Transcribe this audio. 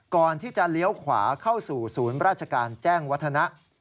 ก่อนที่จะเลี้ยวขวาเข้าสู่ศูนย์ราชการแจ้งวัฒนะ